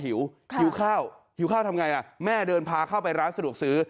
หิวหิวข้าวหิวข้าวทำไงล่ะแม่เดินพาเข้าไปร้านสะดวกซื้อ